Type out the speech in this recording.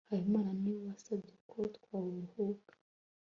habimana niwe wasabye ko twaruhuka